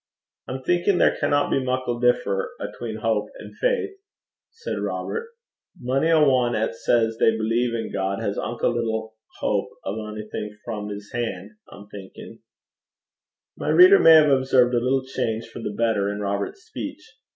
'I'm thinkin' there canna be muckle differ atween houp an' faith,' said Robert. 'Mony a ane 'at says they believe in God has unco little houp o' onything frae 's han', I'm thinkin'.' My reader may have observed a little change for the better in Robert's speech.